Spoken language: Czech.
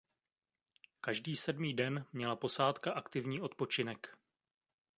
Každý sedmý den měla posádka aktivní odpočinek.